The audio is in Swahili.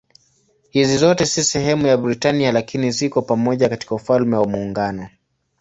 Hizi zote si sehemu ya Britania lakini ziko pamoja katika Ufalme wa Muungano.